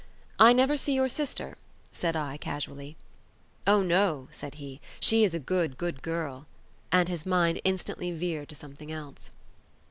"I never see your sister," said I casually. "Oh, no," said he; "she is a good, good girl," and his mind instantly veered to something else.